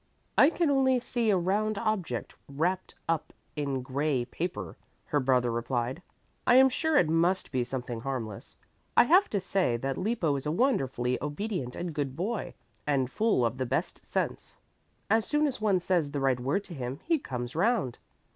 "I can only see a round object wrapped up in a gray paper," her brother replied. "I am sure it must be something harmless. I have to say that Lippo is a wonderfully obedient and good boy and full of the best sense. As soon as one says the right word to him, he comes 'round.